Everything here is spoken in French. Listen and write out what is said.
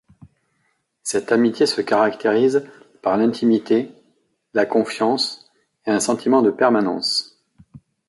Cette amitié se caractérise par l'intimité, la confiance et un sentiment de permanence.